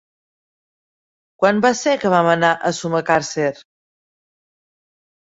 Quan va ser que vam anar a Sumacàrcer?